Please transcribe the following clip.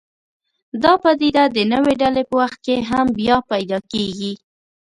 دا پدیده د نوې ډلې په وخت کې هم بیا پیدا کېږي.